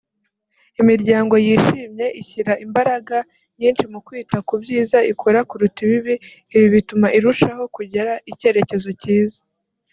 Imiryango yishimye ishyira imbaraga nyinshi mu kwita ku byiza ikora kuruta ibibi; Ibi bituma irushaho kugira icyerekezo cyiza